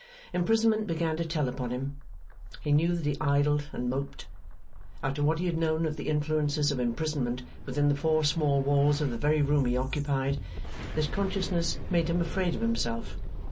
Imprisonment began to tell upon him. He knew that he idled and moped. After what he had known of the influences of imprisonment within the four small walls of the very room he occupied, this consciousness made him afraid of himself.